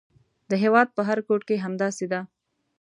د هېواد په هر ګوټ کې همداسې ده.